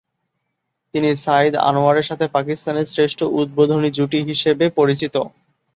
তিনি সাঈদ আনোয়ারের সাথে পাকিস্তানের শ্রেষ্ঠ উদ্বোধনী জুটি হিসেবে পরিচিত।